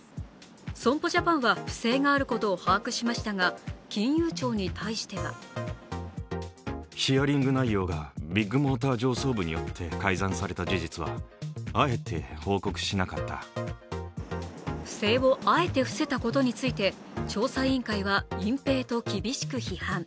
損保ジャパンは不正があることを把握しましたが金融庁に対しては不正をあえて伏せたことについて調査委員会は隠蔽と厳しく批判。